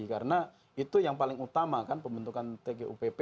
karena itu yang paling utama kan pembentukan tgupp